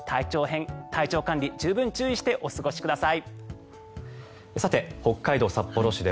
体調管理十分注意してお過ごしください。